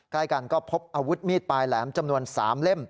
ใกล้กันก็พบอาวุธมีดปลายแหลมจำนวน๓เล่ม